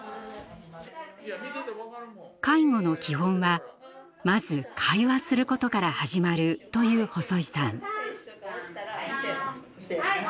介護の基本はまず会話することから始まると言う細井さん。